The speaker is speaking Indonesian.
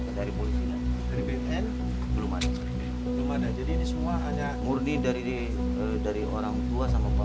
dari polisi dari bn belum ada jadi semua hanya murni dari dari orang tua sama pampin